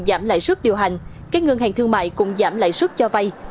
giảm lãi suất điều hành các ngân hàng thương mại cũng giảm lãi suất cho vay